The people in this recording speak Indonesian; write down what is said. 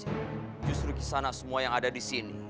saya itu perempuan setit wolverhoes